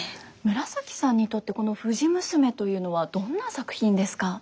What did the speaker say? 紫さんにとってこの「藤娘」というのはどんな作品ですか？